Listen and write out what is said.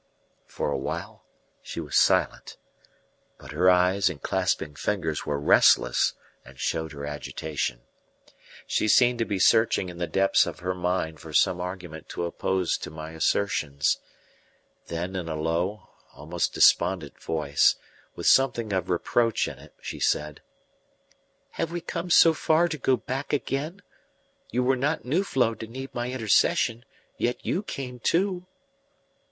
For a while she was silent, but her eyes and clasping fingers were restless and showed her agitation. She seemed to be searching in the depths of her mind for some argument to oppose to my assertions. Then in a low, almost despondent voice, with something of reproach in it, she said: "Have we come so far to go back again? You were not Nuflo to need my intercession, yet you came too."